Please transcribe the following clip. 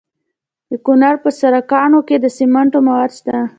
د کونړ په سرکاڼو کې د سمنټو مواد شته.